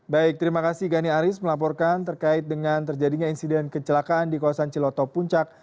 baik terima kasih gani aris melaporkan terkait dengan terjadinya insiden kecelakaan di kawasan ciloto puncak